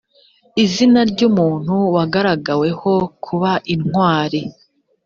izina ry’umuntu wagaragaweho kuba intwari